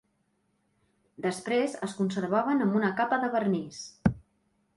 Després es conservaven amb una capa de vernís.